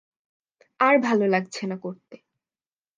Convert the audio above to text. আর ভালো লাগছে না করতে।